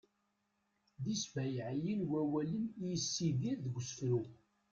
d isbayɛiyen wawalen i yessidir deg usefru